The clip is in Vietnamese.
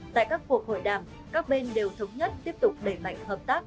tại các cuộc hội đàm các bên đều thống nhất tiếp tục đẩy mạnh hợp tác